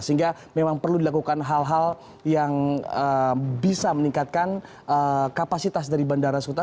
sehingga memang perlu dilakukan hal hal yang bisa meningkatkan kapasitas dari bandara suta